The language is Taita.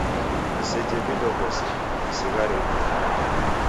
Disejhe vindo vose, disighare vimu.